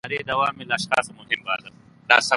د ادارې دوام يې له اشخاصو مهم باله.